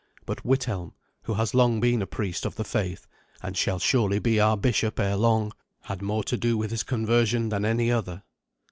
But Withelm, who has long been a priest of the faith, and shall surely be our bishop ere long, had more to do with his conversion than any other.